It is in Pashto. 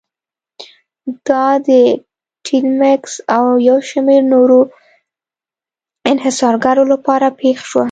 دا د ټیلمکس او یو شمېر نورو انحصارګرو لپاره پېښه شوه.